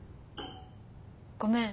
ごめん。